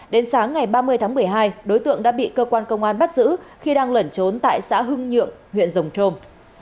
đến sáng ngày ba mươi tháng một mươi hai đối tượng đã bị cơ quan công an bắt giữ khi đang lẩn trốn tại xã hưng nhượng huyện rồng trôm